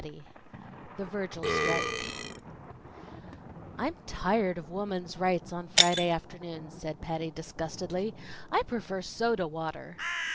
III The Virgil Strike "I'm tired of Woman's Rights on Friday afternoons," said Patty disgustedly. "I prefer soda water!"